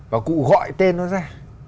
và cụ gọi tên nó ra